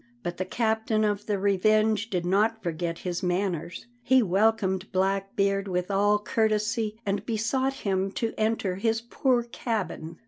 But the captain of the Revenge did not forget his manners. He welcomed Blackbeard with all courtesy and besought him to enter his poor cabin.